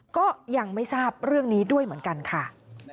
ก็ยังไม่ทราบเรื่องนี้ด้วยเหมือนกันค่ะ